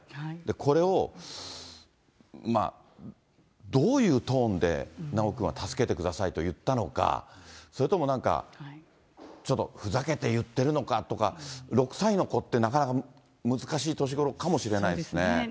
これを、どういうトーンで修くんは助けてくださいと言ったのか、それともなんか、ちょっとふざけて言ってるのかとか、６歳の子って、なかなか難しそうですね。